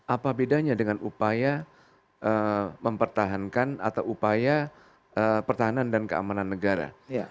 apa bedanya dengan upaya mempertahankan atau upaya pertahanan dan keamanan negara